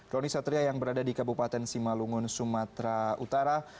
roni satria yang berada di kabupaten simalungun sumatera utara